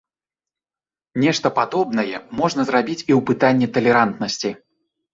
Нешта падобнае можна зрабіць і ў пытанні талерантнасці.